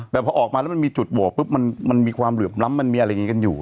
แต่พอออกมาแล้วมันมีจุดโหวตปุ๊บมันมีความเหลื่อมล้ำมันมีอะไรอย่างนี้กันอยู่